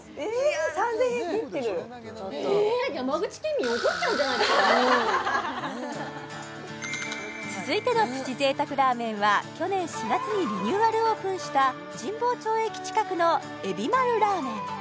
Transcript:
３０００円切ってるえ続いてのプチ贅沢ラーメンは去年４月にリニューアルオープンした神保町駅近くの海老丸らーめん